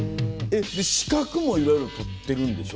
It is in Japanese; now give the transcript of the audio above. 資格もいろいろ取ってるんでしょ？